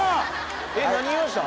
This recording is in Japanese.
えっ何言いました？